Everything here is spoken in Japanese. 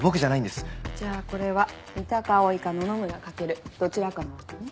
じゃあこれは三鷹蒼か野々村翔どちらかなわけね。